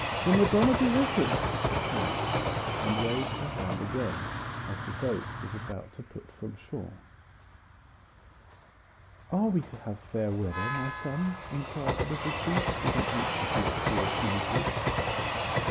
The Madonna be with him!" she cried, and waved her hand again, as the boat was about to put from shore. "Are we to have fair weather, my son?" inquired the little priest, with an anxious look toward Naples.